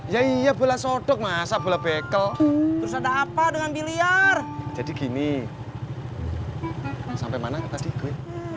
ya iya bola sodok masa bola bekel terus ada apa dengan biliar jadi gini sampai mana kita sedikit